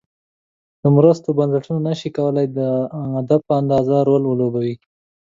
د مرستو بنسټونه نشي کولای د دولت په اندازه رول ولوبوي.